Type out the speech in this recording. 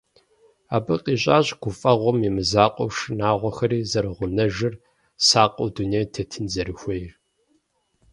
Абы къищӀащ гуфӀэгъуэм и мызакъуэу шынагъуэхэри зэрыгъунэжыр, сакъыу дунейм тетын зэрыхуейр.